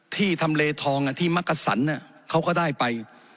ที่ทำเลทองที่มักกะสันเขาก็ได้ไป